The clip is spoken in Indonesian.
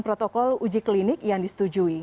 protokol uji klinik yang disetujui